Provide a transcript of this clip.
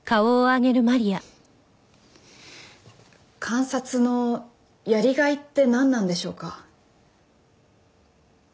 監察のやりがいってなんなんでしょうか？